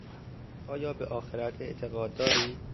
آیا به آخرت اعتقاد داری؟